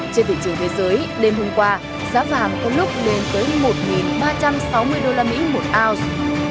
trên thị trường thế giới đêm hôm qua giá vàng có lúc lên tới một ba trăm sáu mươi usd một ounce